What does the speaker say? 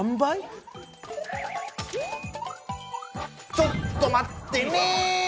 ちょっと待ってね！